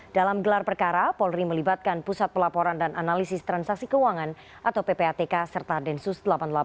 dalam gelar perkara polri melibatkan pusat pelaporan dan analisis transaksi keuangan atau ppatk serta densus delapan puluh delapan